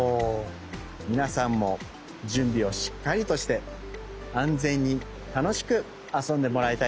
みなさんもじゅんびをしっかりとして安全にたのしくあそんでもらいたいとおもいます。